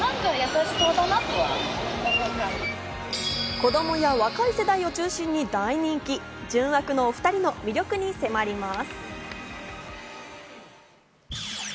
子供や若い世代を中心に大人気、純悪のお２人の魅力に迫ります。